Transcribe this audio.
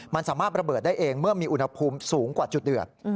มันสามารถระเบิดได้เองเมื่อมีอุณหภูมิสูงกว่าจุดเดือด